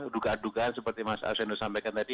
duga duga seperti mas asyendu sampaikan tadi